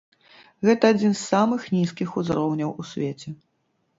Гэта адзін з самых нізкіх узроўняў у свеце.